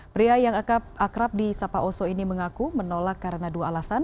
pria yang akrab di sapa oso ini mengaku menolak karena dua alasan